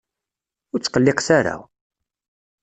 Ur tqelliqet ara!